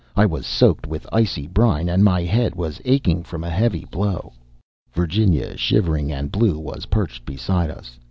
I was soaked with icy brine and my head was aching from a heavy blow. Virginia, shivering and blue, was perched beside us.